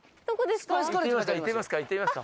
どこですか？